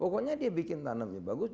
pokoknya dia bikin tanamnya bagus